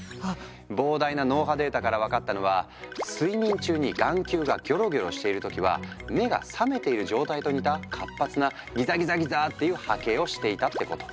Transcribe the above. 膨大な脳波データから分かったのは睡眠中に眼球がギョロギョロしている時は目が覚めている状態と似た活発なギザギザギザーっていう波形をしていたってこと。